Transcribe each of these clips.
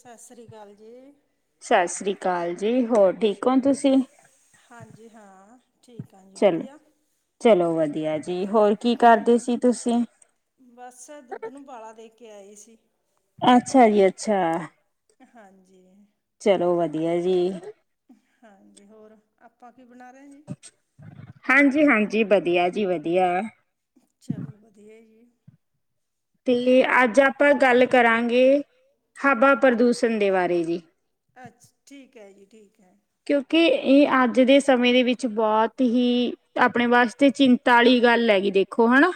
ਸਸ ਸ੍ਰੀ ਕਾਲ ਜੀ। ਸਸ ਸ੍ਰੀ ਕਾਲ ਜੀ ਹੋਰ ਠੀਕ ਹੋ ਤੁਸੀਂ। ਹਾਂਜੀ ਹਾਂ। ਠੀਕ ਆ ਜੀ ਵਧੀਆ, ਚਲੋ ਵਧੀਆ ਜੀ ਕੀ ਕਰਦੇ ਸੀ ਤੁਸੀਂ? ਬਸ ਦੁੱਧ ਨੂੰ ਊਬਾਲਾ ਦੇ ਕੇ ਆਈ ਸੀ। ਅੱਛਾ ਜੀ ਅੱਛਾ। ਹਾਂਜੀ। ਚਲੋ ਵਧੀਆ ਜੀ। ਹਾਂਜੀ ਹੋਰ ਆਪਾਂ ਕੀ ਬਣਾ ਰੇ ਆ ਜੀ। ਹਾਂਜੀ-ਹਾਂਜੀ ਵਧੀਆ ਜੀ ਵਧੀਆ। ਚਲੋ ਵਧੀਆ ਜੀ। ਤੇ ਅੱਜ ਆਪਾਂ ਗੱਲ ਕਰਾਂਗੇ ਹਵਾ ਪ੍ਰਦੂਸ਼ਣ ਦੇ ਬਾਰੇ ਜੀ। ਅੱਛ ਠੀਕ ਐ ਜੀ ਠੀਕ ਐ। ਕਿਉਂਕਿ ਏ ਅੱਜ ਦੇ ਸਮੇਂ ਦੇ ਵਿੱਚ ਬੋਹਤ ਹੀ ਆਪਣੇ ਵਾਸਤੇ ਚਿੰ ਤਾ ਆਲੀ ਗੱਲ ਹੈਗੀ ਦੇਖੋ ਹੈਨਾ।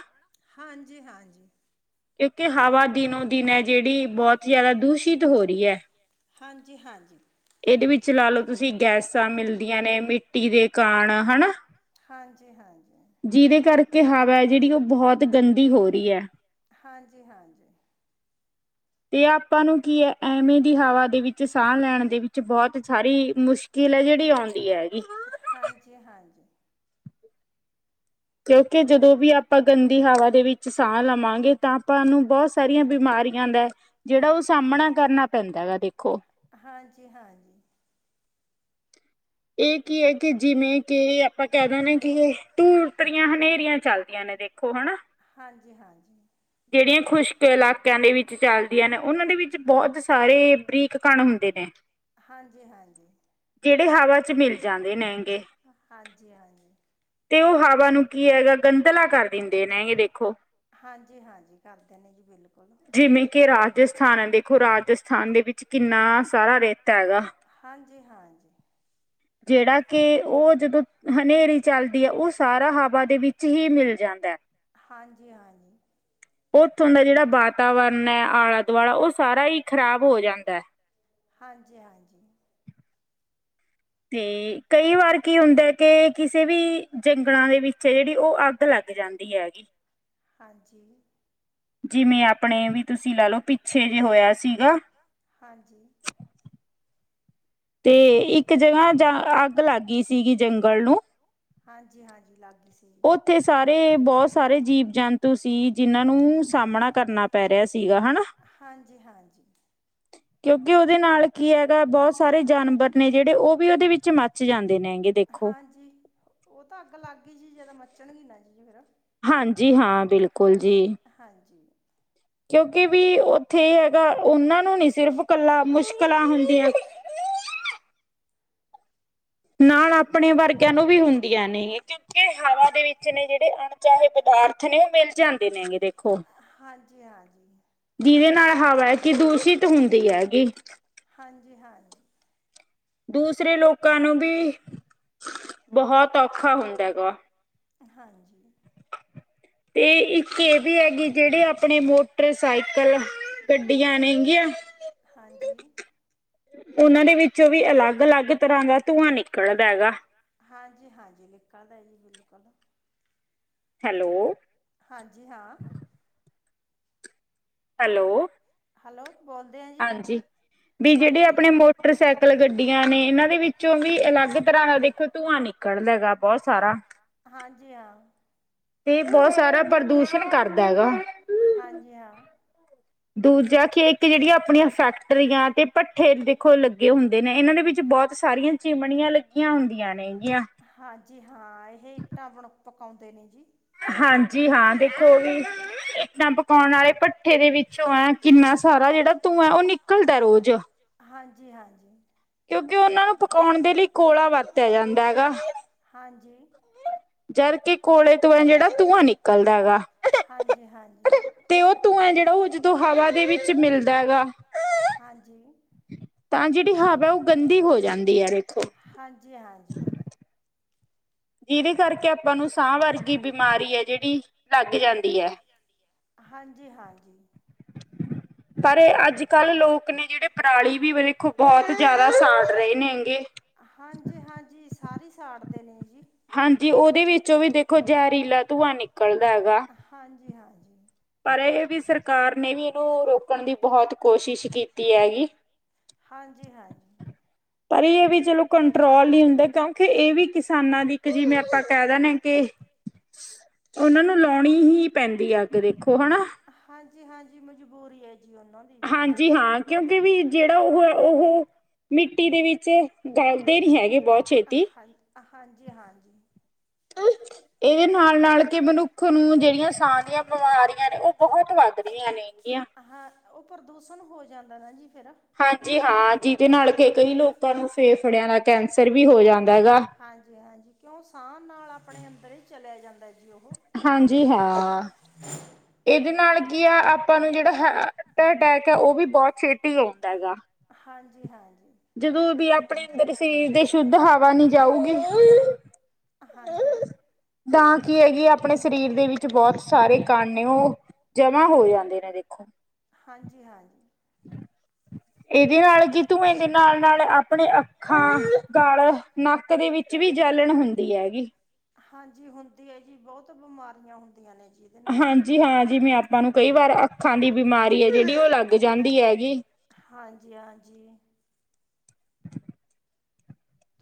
ਹਾਂਜੀ-ਹਾਂਜੀ। ਕਿਉਂਕਿ ਹਵਾ ਦਿਨੋ ਦਿਨ ਐ ਜੇੜੀ ਬੋਤ ਈ ਜਾਦਾ ਦੂਸ਼ਿਤ ਹੋ ਰੀ ਐ। ਹਾਂਜੀ-ਹਾਂਜੀ। ਏਦੇ ਵਿੱਚ ਲਾ ਲੋ ਤੁਸੀਂ ਗੈਸਾਂ ਮਿਲਦੀਆਂ ਨੇ ਮਿੱਟੀ ਦੇ ਕਾਣ ਹਨਾ। ਜਿਦੇ ਕਰਕੇ ਹਵਾ ਐ ਜੇੜੀ ਓ ਬੋਹਤ ਗੰਦੀ ਹੋ ਰੀ ਐ। ਹਾਂਜੀ-ਹਾਂਜੀ। ਤੇ ਆਪਾਂ ਨੂੰ ਕੀ ਐ ਐਵੇਂ ਦੀ ਹਵਾ ਦੇ ਵਿੱਚ ਸਾਹ ਲੈਣ ਦੇ ਵਿੱਚ ਬੋਤ ਸਾਰੀ ਮੁਸ਼ ਕਿਲ ਐ ਜੇੜੀ ਔਂਦੀ ਹੈਗੀ। ਹਾਂਜੀ-ਹਾਂਜੀ। ਕਿਉਂਕਿ ਜਦੋਂ ਵੀ ਆਪਾਂ ਗੰਦੀ ਹਵਾ ਦੇ ਵਿੱਚ ਸਾਹ ਲਵਾਂਗੇ ਤਾਂ ਆਪਾਂ ਨੂੰ ਬੋਤ ਸਾਰੀ ਬਿਮਾਰੀਆਂ ਦਾ ਜੇੜਾ ਓ ਸਾਮਣਾ ਕਰਨਾ ਪੈਂਦਾ ਵਾ ਦੇਖੋ। ਹਾਂਜੀ-ਹਾਂਜੀ। ਏ ਕੀ ਹੈ ਕਿ ਜਿਵੇਂ ਕਿ ਆਪਾਂ ਕੈ ਦੇਨੇ ਆਂ ਕਿ ਤੁ ਉਤਰੀਆਂ ਹਨੇਰੀਆਂ ਚੱਲਦੀਆਂ ਨੇ ਦੇਖ ਖੋ ਹੈਨਾ। ਹਾਂਜੀ-ਹਾਂਜੀ। ਜੇੜੀਆਂ ਖੁਸ਼ਕ ਇਲਾਕਿਆਂ ਦੇ ਵਿੱਚ ਚਲਦੀਆਂ ਨੇ ਉਹਨਾਂ ਦੇ ਵਿੱਚ ਬਹੁਤ ਸਾਰੇ ਬਰੀਕ ਕਣ ਹੁੰਦੇ ਨੇ। ਹਾਂਜੀ-ਹਾਂਜੀ। ਜੇੜੇ ਹਵਾ ਚ ਮਿਲ ਜਾਂਦੇ ਨੇ ਹੈਂਗੇ। ਹਾਂਜੀ। ਤੇ ਓ ਹਵਾ ਨੂੰ ਕੀ ਹੈਗਾ ਗੰਧਲਾ ਕਰ ਦਿੰਦੇ ਨੇ ਐ ਦੇਖੋ। ਹਾਂਜੀ-ਹਾਂਜੀ ਕਰਦੇ ਨੇ ਜੀ ਬਿਲਕੁਲ। ਜਿਵੇਂ ਕਿ ਰਾਜਸਥਾਨ ਹੈ ਦੇਖੋ, ਰਾਜਸਥਾਨ ਦੇ ਵਿੱਚ ਕਿੰਨਾ ਸਾਰਾ ਰੇਤਾ ਹੈਗਾ। ਹਾਂਜੀ-ਹਾਂਜੀ। ਹ ਜੇੜਾ ਕਿ ਓ ਜਦੋਂ ਹਨੇਰੀ ਚੱਲਦੀ ਏ, ਓ ਸਾਰਾ ਹਵਾ ਦੇ ਵਿੱਚ ਇ ਮਿਲ ਜਾਂਦੈ। ਹਾਂਜੀ-ਹਾਂਜੀ। ਉੱਥੋਂ ਦਾ ਜੇੜਾ ਵਾਤਾਵਰਨ ਏ, ਆਲਾ-ਦੁਆਲਾ ਓ ਸਾਰਾ ਈ ਖ਼ਰਾਬ ਹੋ ਜਾਂਦੈ। ਹਾਂਜੀ-ਹਾਂਜੀ। ਤੇ ਕਈ ਵਾਰ ਕੀ ਹੁੰਦੈ ਕਿ ਕਿਸੇ ਵੀ ਜੰਗਲਾਂ ਦੇ ਵਿੱਚ ਜੇੜੀ ਓ ਅੱਗ ਲੱਗ ਜਾਂਦੀ ਦੀ ਹੈਗੀ। ਹਾਂਜੀ। ਜਿਵੇਂ ਆਪਣੇ ਵੀ ਤੁਸੀਂ ਲਾ ਲੋ, ਪਿੱਛੇ ਜਿ ਹੋਇਆ ਸੀਗਾ। ਹਾਂਜੀ। ਤੇ ਇੱਕ ਜਗ੍ਹਾ ਜਾ ਅੱਗ ਲੱਗ ਗੀ ਸੀਗੀ ਜੰਗਲ ਨੂੰ। ਹਾਂਜੀ-ਹਾਂਜੀ ਲਗ ਗੀ ਸੀ। ਉੱਥੇ ਸਾਰੇ ਬੋਤ ਸਾਰੇ ਜੀਵ-ਜੰਤੂ ਸੀ, ਜਿਨਾਂ ਨੂੰ ਸਾਮਣਾ ਕਰਨਾ ਪੈ ਰਿਆ ਸੀਗਾ ਹੈਨਾ। ਹਾਂਜੀ-ਹਾਂਜੀ। ਹ ਕਿਉਂਕਿ ਉਹਦੇ ਨਾਲ ਕੀ ਹੈਗਾ ਬਹੁਤ ਸਾਰੇ ਜਾਨਵਰ ਨੇ, ਜਿਹੜੇ ਓ ਵੀ ਉਹਦੇ ਵਿੱਚ ਮੱਚ ਜਾਂਦੇ ਨੇ ਹੈਗੇ ਦੇ ਹਾਂਜੀ, ਓ ਤਾਂ ਅੱਗ ਲੱਗ ਗੀ, ਜ਼ਰਾ ਮੱਚਣ ਵੀ ਲਗੇ ਗੀ ਫੇਰ। ਹਾਂਜੀ ਹਾਂ, ਬਿਲਕੁਲ ਜੀ। ਹਾਂਜੀ। ਕਿਉਂਕਿ ਵੀ ਓਥੇ ਏ ਹੈਗਾ, ਓਨਾਂ ਨੂੰ ਨੀ ਸਿਰਫ਼ ਕੱਲਾ ਮੁਸ਼ਕਲਾਂ ਹੁੰਦੀਆਂ। ਨਾਲ ਆਪਣੇ ਵਰਗੀਆਂ ਨੂੰ ਵੀ ਹੁੰਦੀਆਂ ਨੇ, ਹਵਾ ਦੇ ਵਿੱਚ ਨੇ ਜੇੜੇ ਚਾਹੇ ਬ ਰਥ ਨੇ, ਮਿਲ ਜਾਂਦੇ ਨੇ, ਹਾਂਜੀ-ਹਾਂਜੀ। ਜਿਦੇ ਨਾਲ ਹਵਾ ਕਿ ਦੂਸ਼ਿਤ ਹੁੰਦੀ ਹੈ ਜੀ। ਹਾਂਜੀ-ਹਾਂਜੀ। ਦੂਸਰੇ ਲੋਕਾਂ ਨੂੰ ਵੀ, ਬਹੁਤ ਔਖਾ ਹੁੰਦਾ ਹੈਗਾ। ਹਾਂਜੀ। ਤੇ ਇੱਕ ਏ ਵੀ ਹੈਗੇ ਜੇੜੇ ਆਪਣੇ, ਮੋਟਰਸਾਈਕਲ ਗੱਡੀਆਂ ਨੇਗੀਆਂ ਹਾਂਜੀ! ਓਨਾਂ ਦੇ ਵਿੱਚੋਂ ਵੀ ਅਲੱਗ-ਅਲੱਗ ਤਰ੍ਹਾਂ ਦਾ ਧੂੰਆਂ ਨਿਕਲਦਾ ਹੈਗਾ। ਹਾਂਜੀ-ਹਾਂਜੀ, ਨਿਕਲਦਾ ਜੀ ਬਿਲਕੁਲ। ਹੈਲੋ। ਹਾਂਜੀ ਹਾਂ। ਹੈਲੋ ਹੈਲੋ ਬੋਲ ਹਾਂਜੀ। ਵੀ ਜੇੜੇ ਆਪਣੇ ਮੋਟਰਸਾਈਕਲ, ਗੱਡੀਆਂ ਨੇ ਏਨਾਂ ਦੇ ਵਿੱਚੋਂ ਵੀ ਅਲੱਗ ਤਰਾਂ ਦਾ ਦੇਖੋ ਧੂੰਆਂ ਨਿ ਕਲਦੇਗਾ ਬੋ ਸਾਰਾ। ਹਾਂਜੀ ਹਾਂ। ਹਾਂਜੀ ਹਾਂ। ਦੂਜਾ ਕਿ ਇੱਕ ਜੇੜੀਆਂ ਆਪਣੀਆਂ ਫੈਕਟਰੀਆਂ 'ਤੇ ਭੱਠੇ ਦੇਖੋ ਲੱਗੇ ਹੁੰਦੇ ਨੇ ਏਨਾਂ ਦੇ ਵਿੱਚ ਬੋ ਸਾਰੀਆਂ ਚਿਮਣੀਆਂ ਲੱਗੀਆਂ ਹੁੰਦੀਆਂ ਨੇ ਗੀਆ। ਹਾਂਜੀ ਹਾਂ ਇਹ ਇੱਟਾਂ ਬਣ ਪਕਾਉਂਦੇ ਨੇ ਜੀ। ਹਾਂਜੀ ਹਾਂ ਦੇਖੋ ਵੀ ਇੱਟਾਂ ਪਕਾਉਣ ਆਲੇ ਭੱਠੇ ਦੇ ਵਿੱਚੋਂ ਹ ਕਿੰਨਾ ਸਾਰਾ ਜੇੜਾ ਧੂੰਆਂ ਐ ਓ ਨਿਕਲਦੈ ਰੋਜ਼। ਹਾਂਜੀ-ਹਾਂਜੀ। ਕਿਉਂਕਿ ਉਨਾਂ ਨੂੰ ਪਕਾਉਣ ਦੇ ਲਈ ਕੋਲਾ ਵਰਤਿਆ ਜਾਂਦਾ ਗਾ। ਹਾਂਜੀ। ਜਦ ਕੀ ਕੋਲੇ ਤੋਂ ਐ ਜੇੜਾ ਧੂੰਆ ਨਿਕਲਦਾ ਗਾ। 'ਤੇ ਓ ਧੂੰਆਂ ਜੇੜਾ ਓ ਜਦੋ ਹਵਾ ਦੇ ਵਿੱਚ ਮਿਲਦਾ ਐ ਗਾ ਤਾਂ ਜੇੜੀ ਹਵਾ ਐ ਓ ਗੰਦੀ ਹੋ ਜਾਂਦੀ ਐ ਵੇਖੋ। ਹਾਂਜੀ-ਹਾਂਜੀ। ਜਿਦੇ ਕਰਕੇ ਆਪਾਂ ਨੂੰ ਸਾਂ ਵਰਗੀ ਬਿਮਾਰੀ ਏ ਜੇੜੀ ਲੱਗ ਜਾਂਦੀ ਐ। ਜਾਂਦੀ ਐ। ਹਾਂਜੀ-ਹਾਂਜੀ। ਪਰ ਏ ਅੱਜ-ਕੱਲ ਲੋਕ ਨੇ ਜੇੜੇ ਪਰਾਲੀ ਵੀ ਵੇਖੋ ਬੋਹਤ ਜਿਆਦਾ ਸਾੜ ਰਏ ਨੇ ਗੇ। ਹਾਂਜੀ-ਹਾਂਜੀ ਸਾਰੀ ਸਾੜਦੇ ਨੇ। ਹਾਂਜੀ ਉਦੇ ਵਿੱਚੋ ਵੀ ਦੇਖੋ ਜਹਿਰੀਲਾ ਧੂੰਆਂ ਨਿਕਲ ਦੇਗਾ। ਹਾਂਜੀ-ਹਾਂਜੀ। ਪਰ ਇਹ ਵੀ ਸਰਕਾਰ ਨੇ ਵੀ ਏਨੂੰ ਰੋਕਣ ਦੀ ਬੋਹਤ ਕੋਸ਼ਿਸ਼ ਕੀਤੀ ਐਗੀ। ਹਾਂਜੀ ਹਾਂ। ਪਰ ਏਆ ਵੀ ਚਲੋ ਕੰਟਰੋਲ ਨੀ ਹੁੰਦਾ ਕਿਉਂਕਿ ਏ ਵੀ ਕਿਸਾਨਾਂ ਦੀ ਇੱਕ ਜਿਵੇਂ ਆਪਾਂ ਕੈ ਦੈਨੇ ਅ ਕੇ ਕੇ ਓਨਾਂ ਨੂੰ ਲਾਉਣੀ ਹੀ ਪੈਂਦੀ ਆ ਅੱਗ ਦੇਖੋ ਹਨਾ। ਹਾਂਜੀ-ਹਾਂਜੀ ਮਜਬੂਰੀ ਏ ਜੀ ਉਨਾਂ ਹਾਂਜੀ ਹਾਂ ਕਿਉਂਕਿ ਵੀ ਜੇੜਾ ਉਹ ਐ ਉਹ ਮਿੱਟੀ ਦੇ ਵਿੱਚ ਗਲਦੇ ਨੀ ਹੈਗੇ ਬੋ ਛੇਤੀ। ਹਾਂਜੀ-ਹਾਂਜੀ। ਏਦੇ ਨਾਲ-ਨਾਲ ਕੇ ਮਨੁੱਖ ਨੂੰ ਜੇੜੀਆਂ ਸਾਂ ਦੀਆ ਬਿਮਾਰੀਆਂ ਨੇ ਓ ਬੋਹਤ ਵੱਧ ਰਈਆ ਨੇਗੀਆ। ਓ ਪ੍ਰਦੂਸਣ ਹੋ ਜਾਂਦਾ ਨਾ ਜੀ ਫੇਰ। ਹਾਂਜੀ ਹਾਂ ਜਿਦੇ ਨਾਲ ਕੇ ਕਈ ਲੋਕਾਂ ਨੂੰ ਫੇਫੜੇਆ ਦਾ ਕੈਂਸਰ ਵੀ ਹੋ ਜਾਂਦਾ ਗਾ। ਹਾਂਜੀ-ਹਾਂਜੀ ਕਿਓ ਸਾਂ ਨਾਲ ਆਪਣੇ ਅੰਦਰ ਏ ਚਲਿਆ ਜਾਂਦਾ ਜੀ। ਹਾਂਜੀ ਹਾਂ, ਏਦੇ ਨਾਲ ਕੀ ਆ ਆਪਾਂ ਨੂੰ ਜੇੜਾ ਹਾ ਟ ਟੈਕ ਐ ਓ ਵੀ ਬੋਤ ਛੇਤੀ ਆਉਂਦਾ ਗਾ। ਹਾਂਜੀ-ਹਾਂਜੀ। ਜਦੋਂ ਵੀ ਆਪਣੇ ਅੰਦਰ ਸਰੀਰ ਦੇ ਸ਼ੁੱਧ ਹਵਾ ਨੀ ਜਾਉਗੀ ਹਾਂਜੀ। ਤਾਂ ਕੀ ਹੈਗੀ ਅੱਪ ਅਪਨੇ ਸਰੀਰ ਦੇ ਵਿੱਚ ਬੋਤ ਸਾਰੇ ਕਾਨੇਂਔ ਜਮਾ ਹੋ ਜੈਂਦੇ ਨੇ ਦੇਖੋ। ਹਂਜੀ, ਹਾ ਜੀ। ਏਦੇ ਨਾਲ ਕਿ ਤੂੰ ਏਦੇ ਨਾਲ ਨਾਲ ਅਪਨੇ ਅ ਹਾਂ ਖਾਂਲੋ ਨੱਕ ਦੇ ਵਿੱਚ ਵੀ ਜਲਨ ਹੁੰਦੀ ਹੈਗੀ। ਹਂਜੀ ਹੁੰਦੀ ਹੋਗੀ ਬੋਤ ਬਿਮਾਰੀਆਂ ਹੁੰਦੀਆਂ ਨੇ ਜੀ। ਹਂਜੀ ਹਾ ਜੀ, ਜਿਵੇ ਆਪਾਂ ਨੂੰ ਕਈ ਵਾਰ ਅੱਖਾਂ ਦੀ ਬਿਮਾਰੀ ਏ ਜੇੜੀ ਔ ਲੱਗ ਜੈਂਦੀ ਹੈਗੀ। ਹਂਜੀ, ਹਂਜੀ।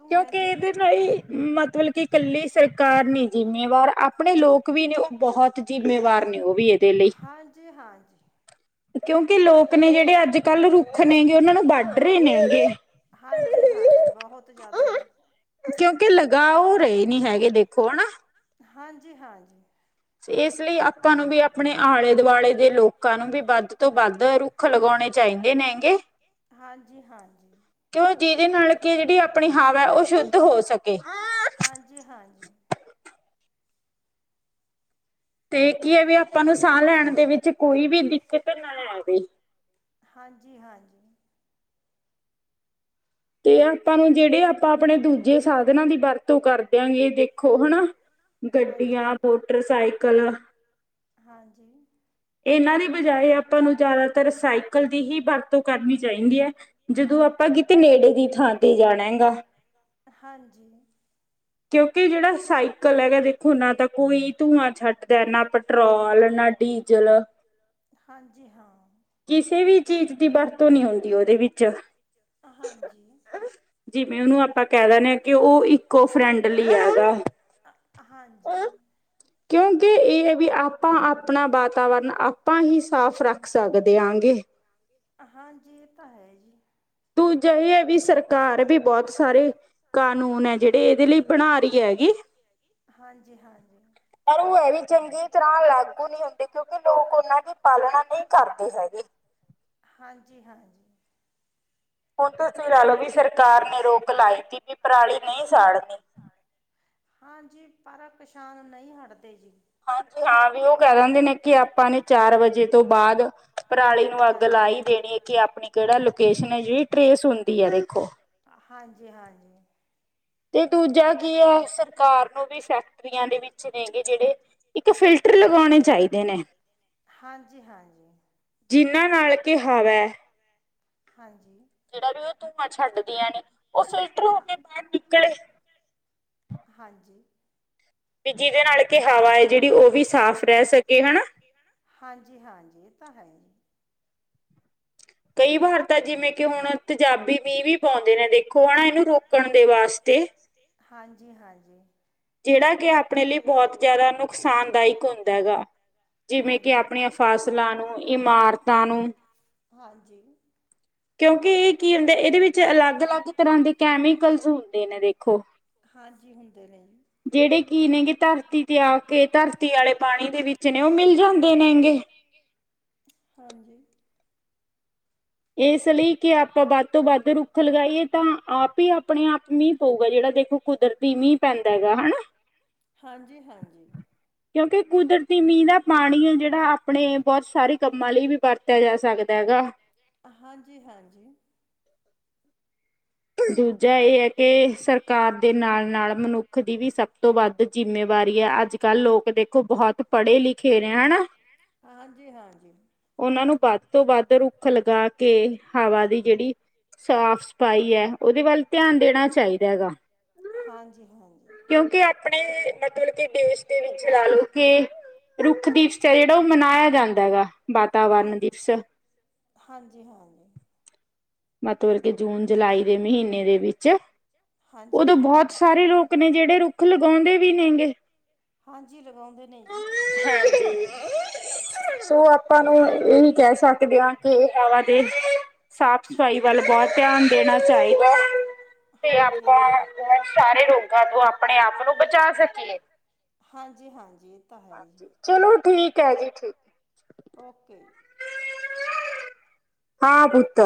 ਕਿਉਕਿ ਕੇ ਏਦੇ ਨਾ ਈ ਮਤਲਬ ਕਿ ਕੱਲੀ ਸਰਕਾਰ ਨੀ ਜਿੰਮੇਵਾਰ। ਅਪਨੇ ਲੋਕ ਵੀ ਨੇ ਔ ਬੋਤ ਜ਼ਿੰਮੇਵਾਰ ਨੇ ਔਵੀ ਏਦੇ ਲਈ। ਕਿਉਕਿ ਲੋਕ ਨੇ ਜਿੜੇ ਅੱਜ-ਕੱਲ ਰੁੱਖ ਨੇ ਗੇ ਓਨਾਂ ਨੂੰ ਵੱਢ ਰਏ ਨੇ ਗੇ। ਹਂਜੀ, ਹਂਜੀ ਬੋਤ ਜੈਦਾ ਜੀ। ਕਿਉਂਕਿ ਲਗਾ ਔ ਰਏ ਨੀ ਹੈਗੇ ਦੇਖੋ ਹੈਨਾ। ਹਂਜੀ, ਹਾਂਜੀ। ਏਸ ਲਈ ਆਪਾਂ ਨੂੰ ਵੀ ਅਪਨੇ ਆਲੇ ਦੁਆਲੇ ਦੇ ਲੋਕਾਂ ਨੂੰ ਵੀ ਵੱਧ ਤੋ ਵੱਧ ਰੁੱਖ ਲਗਾਉਨੇ ਚੈਦੇ ਨੇ ਗੇ। ਹਾਂਜੀ, ਹਾਂਜੀ। ਕਿਔ ਜਿਦੇ ਨਾਲ ਕਿ ਜੇੜੀ ਅਪਨੀ ਹਾਵ ਐ ਔ ਸ਼ੁੱਧ ਹੋ ਸਕੇ। ਹਾਂਜੀ, ਹਾਂਜੀ। ਤੇ ਕੀ ਐ ਵੀ ਆਪਾਂ ਨੂੰ ਸਾਅ ਲੈਨ। ਦੇ ਵਿੱਚ ਕੋਈ ਵੀ ਦਿੱਕਤ ਨਾ ਆਵੇ। ਹਾਂਜੀ, ਹਾਂਜੀ। ਤੇ ਆਪਾਂ ਨੂੰ ਜਿੜੇ ਆਪਾਂ ਅਪਨੈ ਦੂਜੇ ਸਾਧਨਾ ਦੀ ਵਰਤੋ ਕਰ ਦਿਆਂਗੇ ਦੇਖੋ ਹੈਨਾ। ਗੱਡੀਆਂ, ਮੋਟਰਸਾਈਕਲ। ਹਾਂਜੀ। ਇਹਨਾਂ ਦੀ ਬਜਾਏ ਆਪਾਂ ਨੂੰ ਜੈ਼ਦਾਤਰ ਸਾਈਕਲ ਦੀ ਹੀ ਵਰਤੋਂ ਕਰਨੀ ਚੈਦੀ ਐ। ਜਦੋਂ ਆਪਾਂ ਕਿਤੇ ਨੇੜੇ ਦੀ ਨੇੜੇ ਦੀ ਥਾਂ ਤੇ ਜਾਨਾਹੈਗਾ। ਹਾਂਜੀ, ਕਿਉਂਕਿ ਜਿਹੜਾ ਸਾਈਕਲ ਹੈਗਾ, ਦੇਖੋ ਨਾ ਤਾਂ ਕੋਈ ਧੂੰਆਂ ਛੱਡਦਾ ਨਾ ਪੈਟਰੋਲ, ਹਾਂਜੀ ਹਾਂ। ਕਿਸੇ ਵੀ ਚੀਜ਼ ਦੀ ਵਰਤੋਂ ਨੀ ਹੁੰਦੀ ਔਦੇ ਵਿੱਚ। ਹਾਂਜੀ। ਜੀਵੇ ਉਨੂੰ ਆਪਾ ਆਪਾਂ ਕਹਿ ਦਿੰਦੇ ਹਾਂ ਕਿ ਉਹ ਇੱਕੋ ਫਰੈਂਡ ਲੀ ਹੈਗਾ। ਕਿਉਂਕਿ ਇਹ ਵੀ ਆਪਾਂ ਅਪਨਾ ਵਾਤ- ਆਪਾਂ ਹੀ ਸਾਫ਼ ਰੱਖ ਸਕਦੇ ਆਂ ਗੇ। ਹਾਂਜੀ ਏਹ ਤਾਂ ਹੈ ਏ। ਦੂਜਾ ਵੀ ਏਹੇ ਵੀ ਸਰਕਾਰ ਸਰਕਾਰ ਵੀ ਬੋੱਤ ਸਾਰੇ ਕਾਨੂੰਨ ਹੈ ਜੇੜੇ ਇਹਦੇ ਲਈ ਬਨਾ ਰਹੀ ਹੈਗੀ। ਹਂਜੀ, ਹਂਜੀ। ਪਰ ਉਹ ਏਹ ਵੀ ਚੰਗੀ ਤਰ੍ਹਾਂ ਲਾਗੂ ਨਹੀਂ ਹੁੰਦੇ ਕਿਉਂਕਿ ਲੋਕ ਉਨਾਂ ਦੀ ਪਾਲਨਾ ਨਹੀਂ ਕਰ ਸਕਦੇ ਹੈਗੇ। ਹਂਜੀ, ਹਂਜੀ। ਹੁਨ ਤੁਸੀਂ ਲਾ ਲੋ ਵੀ ਸਰਕਾਰ ਨੇ ਰੋਕ ਲਾਈ ਸੀ ਵੀ ਪਰਾਲੀ ਨਹੀਂ ਸਾੜਨੀ। ਹਾਂਜੀ, ਪਰ ਕਿਸਾਨ ਨਹੀਂ ਹਟਦੇ ਜੀ। ਹਾਂਜੀ ਹਾਂ, ਵੀ ਔਹ ਕਹਿ ਦਿੰਦੇ ਨੇ ਕਿ ਆਪਾਂ ਨੇ ਚਾਰ ਵਜੇ ਤੋਂ ਬਾਦ ਪਰਾਲੀ ਨੂੰ ਅੱਗ ਲਾਈ ਦੇਨੀ ਐ। ਕਿ ਆਪਣੀ ਕਿਹੜਾ ਲੋਕੇਸ਼ਨ ਐ ਜਿਹੜੀ ਟਰੇਸ ਹੁੰਦੀ ਐ ਦੇਖੋ। ਹਾਂਜੀ-ਹਾਂਜੀ। ਤੇ ਦੂਜਾ ਕੀ ਆ ਸਰਕਾਰ ਨੂੰ ਵੀ ਫੈਕਟਰੀਆਂ ਦੇ ਵਿੱਚ ਹੈ ਗੇ ਜਿਹੜੇ, ਇੱਕ ਫਿਲਟਰ ਲਗਾਉਣੇ ਚਾਹੀਦੇ ਨੇ। ਜਿਨ੍ਹਾਂ ਨਾਲ ਕਿਹਾ ਹਵਾ ਏ ਹਾਂਜੀ। ਜਿਹੜਾ ਵੀ ਉਹ ਧੂੰਆਂ ਛੱਡਦੀਆਂ ਨੇ ਉਹ ਫਿਲਟਰ ਹੋ ਕੇ ਬਾਹਰ ਨਿਕਲੇ। ਹਾਂਜੀ। ਵੀ ਜਿਹਦੇ ਨਾਲ ਕਿ ਹਵਾ ਐ ਜਿਹੜੀ ਉਹ ਵੀ ਸਾਫ਼ ਰਹਿ ਸਕੇ ਹਨਾ। ਹਾਂਜੀ-ਹਾਂਜੀ ਇਹ ਤਾਂ ਹੈ ਜੀ। ਕਈ ਵਾਰ ਤਾਂ ਜਿਵੇਂ ਕਿ ਹੁਣ ਤਜਾਬੀ ਮੀਹ ਵੀ ਪਾਉਂਦੇ ਨੇ ਦੇਖੋ ਹਨਾ ਇਹਨੂੰ ਰੋਕਣ ਦੇ ਵਾਸਤੇ। ਹਾਂਜੀ-ਹਾਂਜੀ। ਜਿਹੜਾ ਕਿ ਆਪਣੇ ਲਈ ਬਹੁਤ ਜ਼ਿਆਦਾ ਨੁਕਸਾਨਦਾਇਕ ਹੁੰਦਾ ਹੈਗਾ। ਜਿਵੇਂ ਕਿ ਆਪਣੀਆਂ ਫ਼ਾਸਲਾਂ ਨੂੰ, ਇਮਾਰਤਾਂ ਨੂੰ, ਹਾਂਜੀ। ਕਿਉਂਕਿ ਇਹ ਕੀ ਹੁੰਦਾ, ਇਹਦੇ ਵਿੱਚ ਅਲੱਗ-ਅਲੱਗ ਤਰ੍ਹਾਂ ਦੇ ਕੈਮੀਕਲਸ ਹੁੰਦੇ ਨੇ ਦੇ ਹਾਂਜੀ ਹੁੰਦੇ ਨੇ। ਜਿਹੜੇ ਕੀ ਨੇਗੇ ਧਰਤੀ ਤੇ ਆ ਕੇ ਧਰਤੀ ਵਾਲੇ ਪਾਣੀ ਦੇ ਵਿੱਚ ਨੇ ਉਹ ਮਿਲ ਜਾਂਦੇ ਨੇਗੇ। ਹਾਂਜੀ ਠੀਕ ਹੈ। ਹਾਂਜੀ। ਇਸ ਲਈ ਕਿ ਆਪਾਂ ਵੱਧ ਤੋਂ ਵੱਧ ਰੁੱਖ ਲਗਾਈਏ ਤਾਂ ਆਪ ਈ ਆਪਣੇ ਆਪ ਮੀਂਹ ਪਊਗਾ ਜਿਹੜਾ ਦੇਖੋ। ਕੁਦਰਤੀ ਮੀਂਹ ਪੈਂਦਾ ਹੈਗਾ ਹਨਾ। ਹਾਂਜੀ, ਹਾਂਜੀ। ਕਿਉਂਕਿ ਕੁਦਰਤੀ ਮੀਂਹ ਦਾ ਪਾਣੀ ਆ ਜਿਹੜਾ ਆਪਣੇ ਬਹੁਤ ਸਾਰੇ। ਕੰਮਾਂ ਲਈ ਵੀ ਵਰਤਿਆ ਜਾ ਸਕਦਾ ਹੈਗਾ। ਹਾਂਜੀ, ਹਾਂਜੀ। ਦੀ ਦ ਜਾਂ ਇਹ ਐ ਕਿ ਸਰਕਾਰ ਦੇ ਨਾਲ -ਨਾਲ ਮਨੁੱਖ ਦੀ ਵੀ ਸਭ ਤੋਂ ਵੱਧ ਜ਼ਿੰਮੇਵਾਰੀ ਐ, ਅੱਜ- ਕੱਲ੍ਹ ਲੋਕ ਅ ਕੱਲ ਲੋਕ ਦੇਖੋ ਬਹੁਤ ਪੜ੍ਹੇ ਲਿਖੇ ਰੇ ਹਨਾ, ਹਾਂਜੀ, ਹਾਂਜੀ। ਉਹਨਾਂ ਨੂੰ ਵੱਧ ਤੋਂ ਵੱਧ ਰੁੱਖ ਲਗਾ ਕੇ। ਹਵਾ ਦੀ ਜਿਹੜੀ ਸਾਫ- ਸਫ਼ਾਈ ਐ। ਉਹਦੇ ਵੱਲ ਧਿਆਨ ਦੇਣਾ ਚਾਹੀਦਾ ਹੈਗਾ ਕਿਉਂਕਿ ਆਪਣੇ ਮਤਲਬ ਕੇ ਦੇਸ਼ ਦੇ ਵਿੱਚ ਲਾ ਲਓ, ਕਿ ਰੁੱਖ ਦੀ ਜਿਹੜਾ ਉਹ ਮਨਾਇਆ ਜਾਂਦਾ ਹੈਗਾ, ਵਾਤਾਵਰਨ ਦਿਵਸ ਹਾਂਜੀ, ਹਾਂਜੀ, ਮਤਲਬ ਕਿ ਜੂਨ-ਜੁਲਾਈ ਦੇ ਮਹੀਨੇ ਦੇ ਵਿੱਚ ਹਾਂਜੀ, ਉਦੋਂ ਬਹੁਤ ਸਾਰੇ ਲੋਕ ਨੇ ਜਿਹੜੇ ਰੁੱਖ ਲਗਾਉਂਦੇ ਵੀ ਨੇਗੇ। ਹਾਂਜੀ ਲਗਾਉਂਦੇ ਨੇ ਜੀ। [unintelligible] ਸੋ ਆਪ ਆਪਾਂ ਨੂੰ ਇਹੀ ਕਹਿ ਸਕਦੇ ਆ ਕਿ ਇਹ ਹਵਾ ਦੇ, [unintelligible] ਸਾਫ਼- ਸਫ਼ਾਈ ਵੱਲ ਬਹੁਤ ਧਿਆਨ ਦੇਣਾ ਚਾਹੀਦਾ, ਤੇ ਆਪਾਂ ਸਾਰੇ ਰੋਗਾਂ ਨੂੰ ਆਪਣੇ- ਆਪ ਨੂੰ ਬਚਾ ਸਕੀਏ। ਹਾਂਜੀ, ਹਾਂਜੀ ਇਹ ਤਾਂ ਹੈ ਜੀ। ਚਲੋ, ਠੀਕ ਐ ਜੀ ਠੀਕ। ਓਕੇ। ਹਾਂ ਪੁੱਤ।